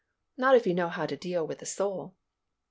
Not if you know how to deal with a soul.